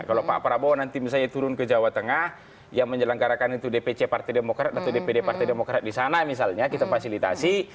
kalau pak prabowo nanti misalnya turun ke jawa tengah yang menyelenggarakan itu dpc partai demokrat atau dpd partai demokrat di sana misalnya kita fasilitasi